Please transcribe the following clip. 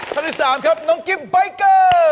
ท่านที่๓ครับน้องกิมใบเกอร์